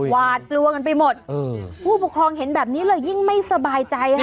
หวาดกลัวกันไปหมดผู้ปกครองเห็นแบบนี้เลยยิ่งไม่สบายใจค่ะ